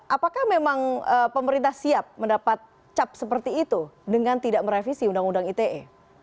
apakah memang pemerintah siap mendapat cap seperti itu dengan tidak merevisi undang undang ite